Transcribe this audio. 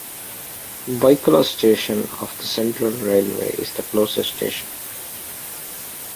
Byculla station of the Central Railway is the closest station.